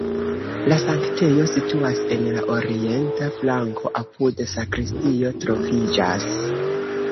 La sanktejo situas en la orienta flanko, apude sakristio troviĝas.